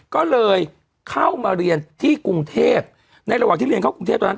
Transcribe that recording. ก็เลยเข้ามาเรียนที่กรุงเทพในระหว่างที่เรียนเข้ากรุงเทพตอนนั้น